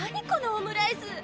このオムライス